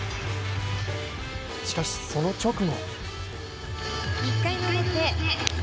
しかし、その直後。